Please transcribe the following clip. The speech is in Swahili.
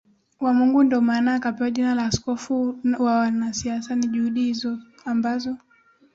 wa Mungu ndio maana akapewa jina la askofu wa wanasiasa Ni juhudi hizo ambazo